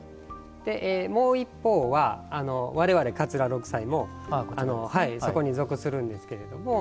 もう一方は我々桂六斎もそこに属するんですけれども。